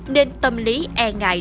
nên tâm lý e ngại